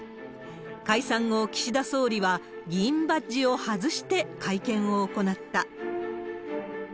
解散後、岸田総理は議員バッジを外して会見を行った。